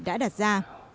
đã đặt ra